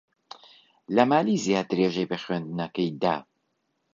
لە مالیزیا درێژەی بە خوێندنەکەی دا.